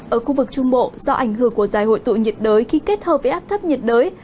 ở khu vực trung bộ do ảnh hưởng của dài hội tụ nhiệt đới khi kết hợp với áp thấp nhiệt đới